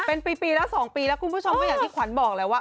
เป็นปีแล้ว๒ปีแล้วคุณผู้ชมก็อย่างที่ขวัญบอกแหละว่า